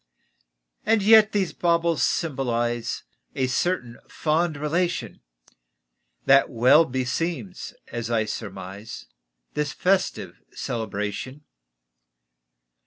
And yet these baubles symbolize A certain fond relation That well beseems, as I surmise, This festive celebration.